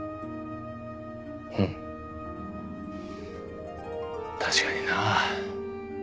うん確かになあ。